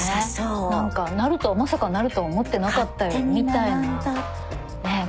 何かなるとはまさかなるとは思ってなかったよみたいなねぇ